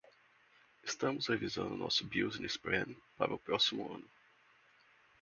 Estamos revisando nosso business plan para o próximo ano.